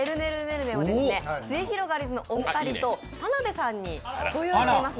るねをすゑひろがりずのお二人と田辺さんにご用意しています。